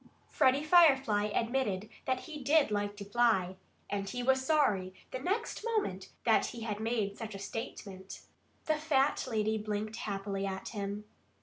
Freddie Firefly admitted that he did like to fly. And he was sorry, the next moment, that he had made such a statement. For the fat lady blinked happily at him.